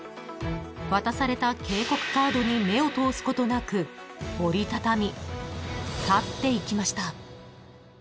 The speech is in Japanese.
［渡された警告カードに目を通すことなく折り畳み去っていきました］